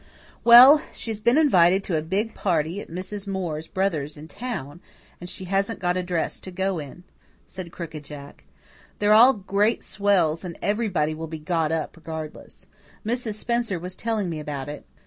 "Well, she's been invited to a big party at Mrs. Moore's brother's in town, and she hasn't got a dress to go in," said Crooked Jack. "They're great swells and everybody will be got up regardless. Mrs. Spencer was telling me about it.